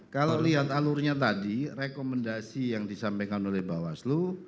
kalau lihat alurnya tadi rekomendasi yang disampaikan oleh bawaslu